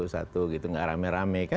satu gitu nggak rame rame